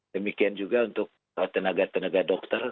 demikian juga untuk tenaga tenaga dokter